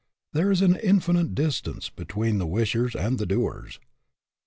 There is an infinite distance between the wishers and the doers.